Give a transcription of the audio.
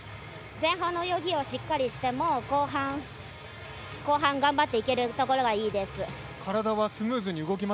前半の泳ぎをしっかりしても後半頑張っていけるところがいいです。